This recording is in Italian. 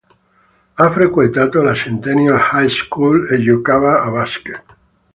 Ha frequentato la Centennial High School e giocava a basket.